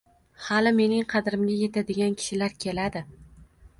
Hali mening qadrimga yetadigan kishilar keladi